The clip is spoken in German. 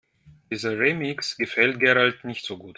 Dieser Remix gefällt Gerald nicht so gut.